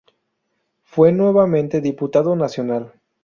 Fue nuevamente diputado nacional.